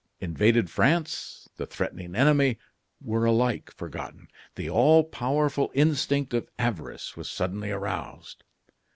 Invaded France, the threatening enemy, were alike forgotten. The all powerful instinct of avarice was suddenly aroused.